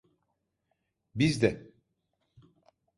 Biz de…